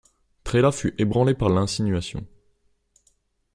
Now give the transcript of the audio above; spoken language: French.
Trélat fut ébranlé par l'insinuation.